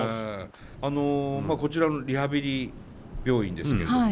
こちらのリハビリ病院ですけれども。